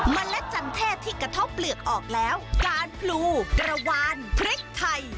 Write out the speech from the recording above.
เล็ดจันเทศที่กระท่อเปลือกออกแล้วการพลูกระวานพริกไทย